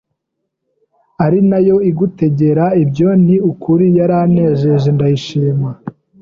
ari nayo igutegera ibyo ni ukuri yaranejeje ndayishima